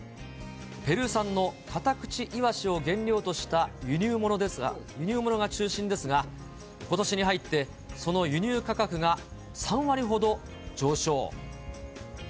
ペルー産のカタクチイワシを原料とした輸入物が中心ですが、ことしに入って、その輸入価格が３割ほど上昇。